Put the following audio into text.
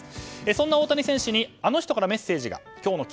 そんな大谷選手にあの人からメッセージが。